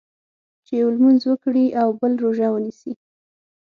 چې یو لمونځ وکړي او بل روژه ونیسي.